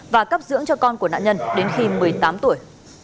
và cấp dưỡng cho con của nạn nhân đến khi một mươi tám tuổi